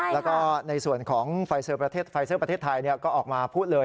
แล้วก็ในส่วนของไฟซอร์ประเทศไทยก็ออกมาพูดเลย